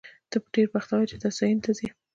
ته ډېر بختور یې، چې داسې ځایونو ته ځې.